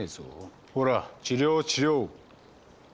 ほら治療治療。